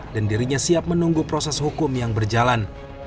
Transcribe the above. dan dirinya siap menunggu proses hukum yang berjalan